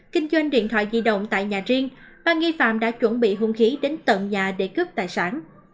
kinh doanh điện thoại di động tại nhà riêng ba nghi phạm đã chuẩn bị hung khí đến tận nhà để cướp tài sản